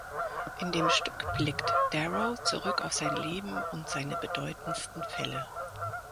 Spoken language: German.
In dem Stück blickt Darrow zurück auf sein Leben und seine bedeutendsten Fälle.